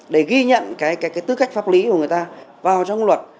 để ghi nhận cái tư cách pháp lý của người ta vào trong luật